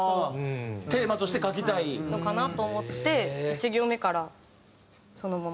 テーマとして書きたい？のかなと思って１行目からそのまま。